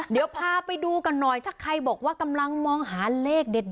เดี๋ยวพาไปดูกันหน่อยถ้าใครบอกว่ากำลังมองหาเลขเด็ด